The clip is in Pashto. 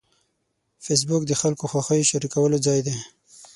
فېسبوک د خلکو د خوښیو شریکولو ځای دی